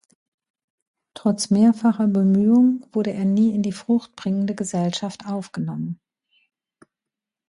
Trotz mehrfacher Bemühungen wurde er nie in die Fruchtbringende Gesellschaft aufgenommen.